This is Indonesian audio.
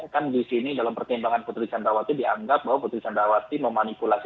kan di sini dalam pertimbangan putri candrawati dianggap bahwa putri candrawati memanipulasi